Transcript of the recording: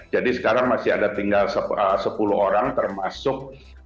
jadi sekarang masih ada tinggal sepuluh orang termasuk